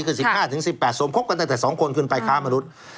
คือ๑๕๑๘สมคบกันตั้งแต่๒คนขึ้นไปค้ามนุษย์